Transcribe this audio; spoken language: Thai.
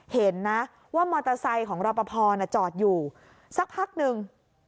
เห็นนะว่ามอเตอร์ไซค์ของรอปภจอดอยู่สักพักหนึ่ง